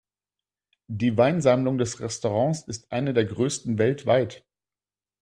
Die Weinsammlung des Restaurants ist eine der größten weltweit.